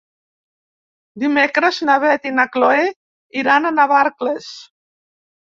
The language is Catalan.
Dimecres na Beth i na Chloé iran a Navarcles.